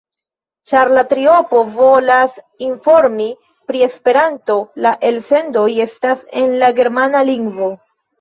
Ĉar la triopo volas informi pri Esperanto, la elsendoj estas en la germana lingvo.